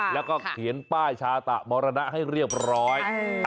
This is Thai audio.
แล้วก็เขียนป้ายชาตะมรณะให้เรียบร้อย